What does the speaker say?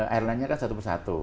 airlinenya kan satu persatu